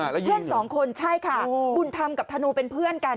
เพื่อนสองคนใช่ค่ะบุญธรรมกับธนูเป็นเพื่อนกัน